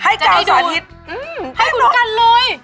ให้กาวสาธิตให้น้องให้คุณกันเลย